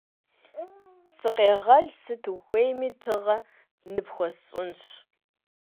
- Сыкъегъэл! Сыт ухуейми тыгъэ ныпхуэсщӀынщ!